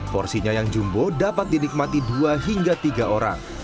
porsinya yang jumbo dapat dinikmati dua hingga tiga orang